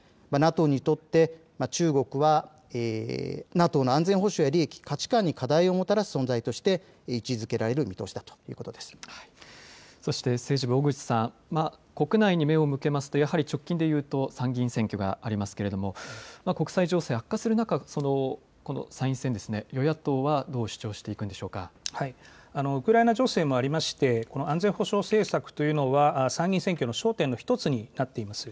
ＮＡＴＯにとって中国はＮＡＴＯの安全保障や利益、価値観に課題をもたらす存在として位置づけらそして、政治部小口さん国内に目を向けますとやはり直近で言うと参議院選挙がありますけれども、国際情勢が悪化する中、参院選、与野党はどう主張していウクライナ情勢もありまして、安全保障政策というのは参議院選挙の焦点の１つになっています。